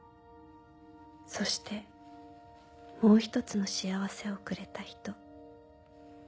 そしてもう１つの幸せをくれた人」。